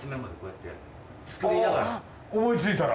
思いついたら？